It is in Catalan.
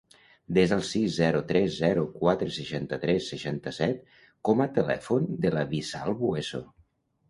Desa el sis, zero, tres, zero, quatre, seixanta-tres, seixanta-set com a telèfon de la Wissal Bueso.